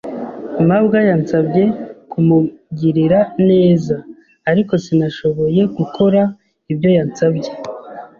mabwa yansabye kumugirira neza. Ariko, sinashoboye gukora ibyo yansabye.